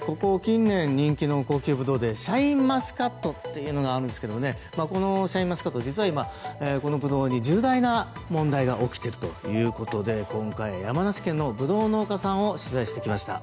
ここ近年人気の高級ブドウでシャインマスカットというのがあるんですが実は今、このブドウに重大な問題が起きているということで今回は山梨県のブドウ農家さんを取材してきました。